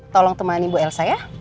tolong temani bu elsa ya